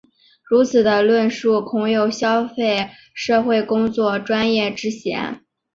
如此的论述恐有消费社会工作专业之嫌。